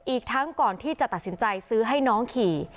อีกทั้งก่อนที่จะตัดสินใจซื้อให้น้องขี่